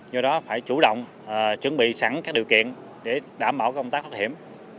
do đó phải chủ động chuẩn bị sẵn các điều kiện để đảm bảo công tác thoát hiểm